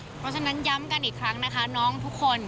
เพราะฉะนั้นย้ำกันอีกครั้งนะคะน้องทุกคน